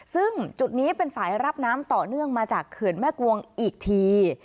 ซึ่งจุดนี้เป็นฝ่ายรับน้ำต่อเนื่องมาจากเขื่อนแม่กวงอีกที